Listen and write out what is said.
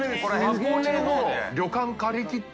箱根の旅館借り切って。